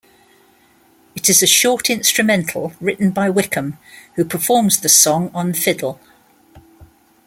It is a short instrumental written by Wickham, who performs the song on fiddle.